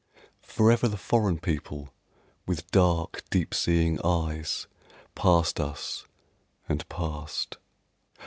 Forever the foreign people with dark, deep seeing eyes Passed us and passed.